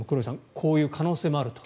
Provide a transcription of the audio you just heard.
こういう可能性もあると。